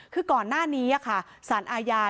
คือก่อนหน้านี้สารอาญา